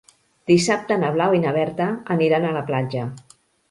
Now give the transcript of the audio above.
Dissabte na Blau i na Berta aniran a la platja.